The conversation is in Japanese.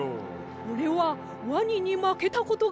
「おれはワニにまけたことがない。